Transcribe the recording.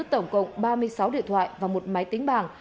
tổng cộng ba mươi sáu điện thoại và một máy tính bảng